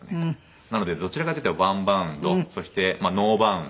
なのでどちらかといったら１バウンドそしてノーバウンド。